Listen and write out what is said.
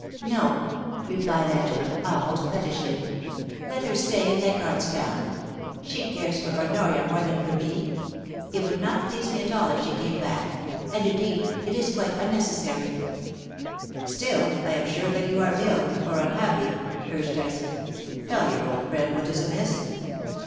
* 'No,' replied Angela, almost pettishly. 'Let her stay in Leichardt's Town. She cares for Honoria more than for TOM DUNGIE GOSSIPS. 283 me. It would not please me at all if she came back ; and, indeed, it is quite unnecessary.' * Still I am sure that you are ill, or unhappy,' urged Dyson. * Tell your old friend what is amiss.'